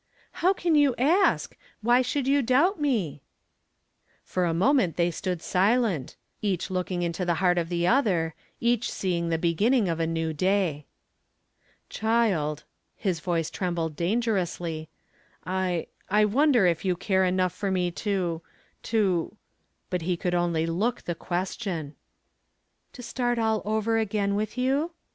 "How can you ask? Why should you doubt me?" For a moment they stood silent, each looking into the heart of the other, each seeing the beginning of a new day. "Child," his voice trembled dangerously, "I I wonder if you care enough for me to to " but he could only look the question. "To start all over again with you?"